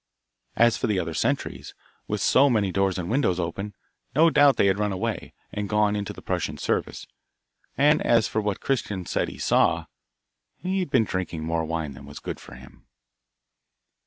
As for the other sentries, with so many doors and windows open, no doubt they had run away, and gone into the Prussian service. And as for what Christian said he saw, he had been drinking more wine than was good for him.